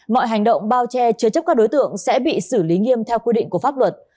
mọi hành động bao che chứa chấp các đối tượng sẽ bị xử lý nghiêm theo quy định của pháp luật